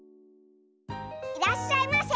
いらっしゃいませ。